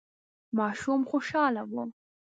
ماشوم خوشاله و.